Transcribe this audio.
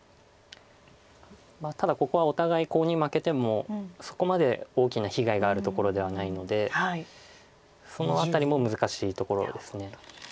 ただここはお互いコウに負けてもそこまで大きな被害があるところではないのでその辺りも難しいところです。